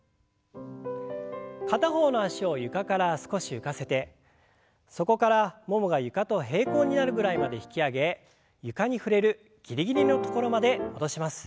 片方の脚を床から少し浮かせてそこからももが床と平行になるぐらいまで引き上げ床に触れるギリギリの所まで戻します。